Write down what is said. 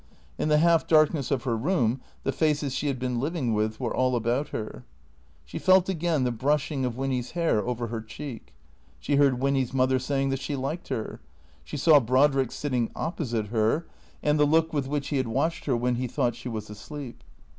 In the half dark ness of her room the faces she had been living with were all about her. She felt again the brushing of Winny's hair over her cheek. She heard Winny's mother saying that she liked her. She saw Brodrick sitting opposite her, and the look with which he had watched her when he thought she was asleep.